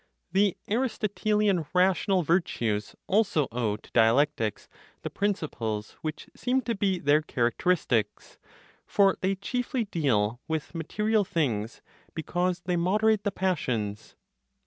The (Aristotelian) rational virtues also owe to dialectics the principles which seem to be their characteristics; for they chiefly deal with material things (because they moderate the passions).